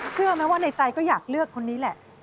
เชื่อไหมว่าในใจก็อยากเลือกคนนี้แหละ